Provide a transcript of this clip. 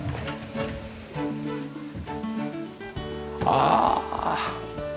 ああ。